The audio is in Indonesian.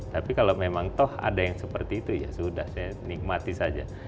tapi kalau memang toh ada yang seperti itu ya sudah saya nikmati saja